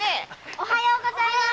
おはようございます！